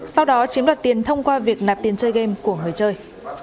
sau đó chiếm đoạt tiền thông qua việc nạp tiền chơi game của người chơi